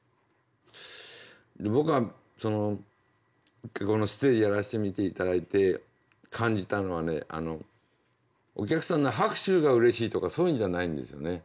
僕はそのステージやらしてみて頂いて感じたのはねお客さんの拍手がうれしいとかそういうんじゃないんですよね。